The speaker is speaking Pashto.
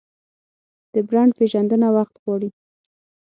د برانډ پیژندنه وخت غواړي.